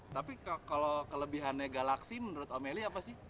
tapi kalau kelebihannya galaksi menurut o melly apa sih